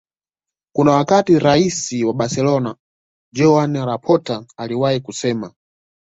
Kuna wakati Rais wa Barcolona Joan Laporta aliwahi kusema